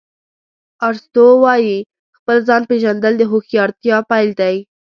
ارسطو وایي خپل ځان پېژندل د هوښیارتیا پیل دی.